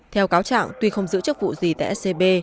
theo cáo trạng tuy không giữ chức vụ gì tại scb